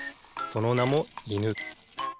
そのなも犬。